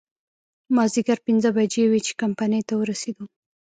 مازديګر پينځه بجې وې چې کمپنۍ ته ورسېدو.